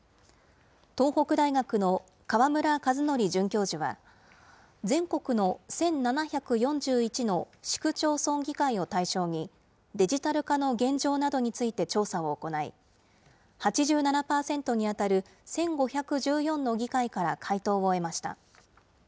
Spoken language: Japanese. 東北大学の河村和徳准教授は、全国の１７４１の市区町村議会を対象に、デジタル化の現状などについて調査を行い、８７％に当たる１５１４の議会から回答を得ました。